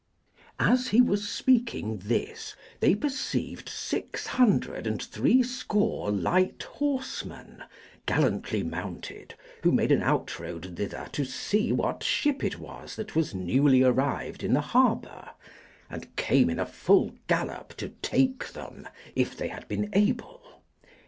As he was speaking this, they perceived six hundred and threescore light horsemen, gallantly mounted, who made an outroad thither to see what ship it was that was newly arrived in the harbour, and came in a full gallop to take them if they had been able.